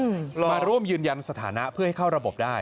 มาร่วมยืนยันสถานะเพื่อให้เข้าระบบได้